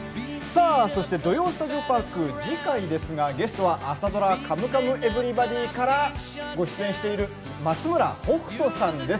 「土曜スタジオパーク」次回のゲストは朝ドラ「カムカムエヴリバディ」からご出演している松村北斗さんです。